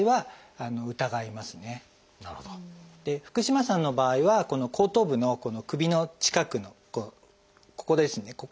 福嶋さんの場合はこの後頭部の首の近くのここですね。